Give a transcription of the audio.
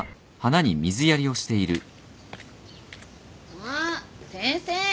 あっ先生。